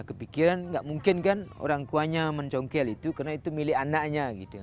nah kepikiran nggak mungkin kan orangkuanya mencongkel itu karena itu milik anaknya